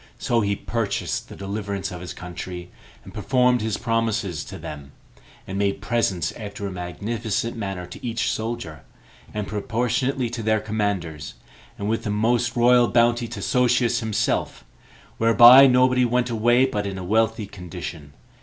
So he purchased the deliverance of his country, and performed his promises to them, and made presents after a magnificent manner to each soldier, and proportionably to their commanders, and with a most royal bounty to Sosius himself, whereby nobody went away but in a wealthy condition.